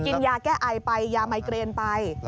กินยาแก้ไอไปยาไมเกรนไป